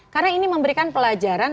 karena ini memberikan pelajaran